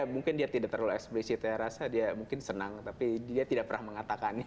mungkin dia tidak terlalu eksplisit saya rasa dia mungkin senang tapi dia tidak pernah mengatakannya